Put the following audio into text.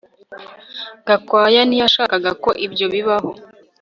Gakwaya ntiyashakaga ko ibyo bibaho